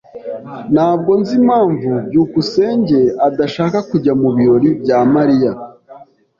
Ntabwo nzi impamvu byukusenge adashaka kujya mubirori bya Mariya.